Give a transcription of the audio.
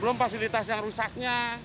belum fasilitas yang rusaknya